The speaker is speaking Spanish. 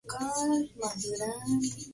Se considera un "tang shui" o sopa dulce.